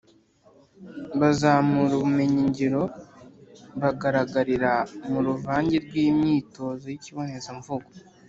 bazamura ubumenyi ngiro bugaragarira mu ruvange rw’imyitozo y’ikibonezamvugo